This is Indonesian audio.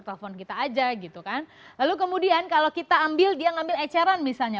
telepon kita saja lalu kemudian kalau kita ambil dia ambil eceran misalnya